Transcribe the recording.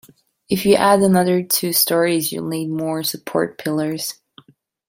If you add another two storeys, you'll need more support pillars.